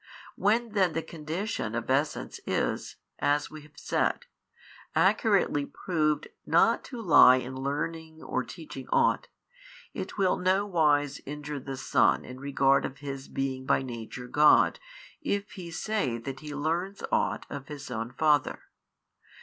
When then the condition of essence is (as we have said) accurately proved not to lie in learning or teaching ought, it will no wise injure the Son in regard of His being by Nature God, if He say that He learns ought of His own Father.